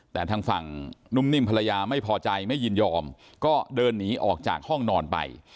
แต่ทางฝั่งนุ่มนิ่มภรรยาไม่พอใจไม่ยินยอมก็เดินหนีออกจากห้องนอนไป